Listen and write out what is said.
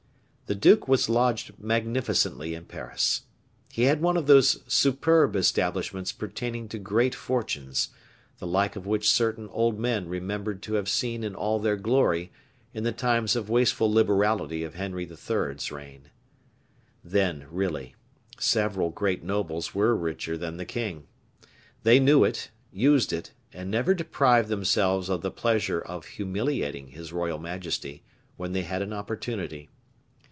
The duke was lodged magnificently in Paris. He had one of those superb establishments pertaining to great fortunes, the like of which certain old men remembered to have seen in all their glory in the times of wasteful liberality of Henry III.'s reign. Then, really, several great nobles were richer than the king. They knew it, used it, and never deprived themselves of the pleasure of humiliating his royal majesty when they had an opportunity.